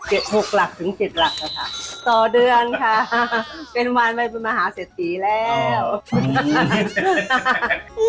เจ็ดหุกหลักถึงเจ็ดหลักแล้วค่ะต่อเดือนค่ะเป็นวันมาหาเศรษฐีแล้ว